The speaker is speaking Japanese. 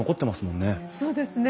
そうですね。